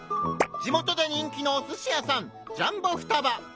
地元で人気のお寿司屋さん『ジャンボ・双葉』！